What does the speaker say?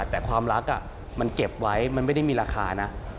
แต่ความรักมันเก็บไว้มันไม่ได้มีราคานะ